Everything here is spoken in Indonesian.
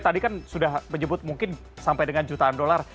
tadi kan sudah menyebut mungkin sampai dengan jutaan dolar